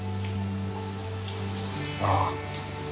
ああ。